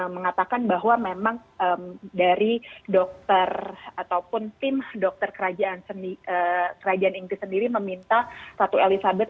mengatakan bahwa memang dari dokter ataupun tim dokter kerajaan inggris sendiri meminta ratu elizabeth